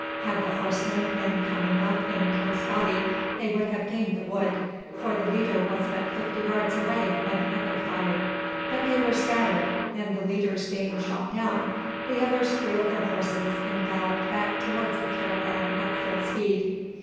Had the horsemen been coming up in a close body they would have gained the wood, for the leader was but fifty yards away when Edgar fired; but they were scattered, and the leaders being shot down the others wheeled their horses and galloped back towards the caravan at full speed.